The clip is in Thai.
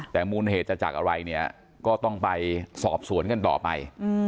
แต่มูลเหตุจะจากอะไรเนี่ยก็ต้องไปสอบสวนกันต่อไป